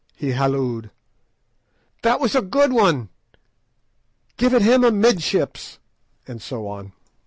he hallooed. "That was a good one! Give it him amidships," and so on.